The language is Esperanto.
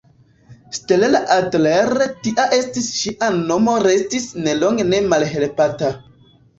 Stella Adler tia estis ŝia nomo restis ne longe ne malhelpata.